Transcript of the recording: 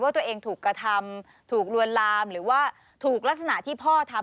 ตัวเองถูกกระทำถูกลวนลามหรือว่าถูกลักษณะที่พ่อทำ